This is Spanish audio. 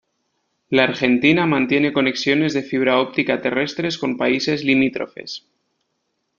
La Argentina mantiene conexiones de fibra óptica terrestres con países limítrofes.